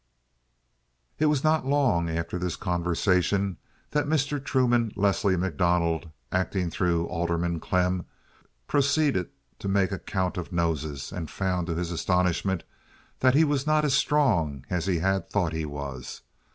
It was not long after this conversation that Mr. Truman Leslie MacDonald, acting through Alderman Klemm, proceeded to make a count of noses, and found to his astonishment that he was not as strong as he had thought he was.